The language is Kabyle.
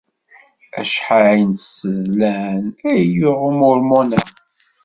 Acḥal n tsednan ay yuɣ Umormon-a?